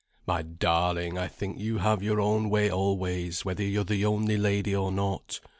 "My darling, I think you have your own way always, whether you're the only lady or not."